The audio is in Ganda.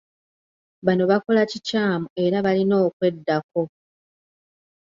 Bano bakola kikyamu era balina okweddako.